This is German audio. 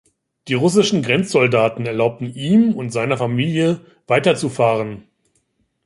Die russischen Grenzsoldaten erlaubten ihm und seiner Familie weiter zu fahren.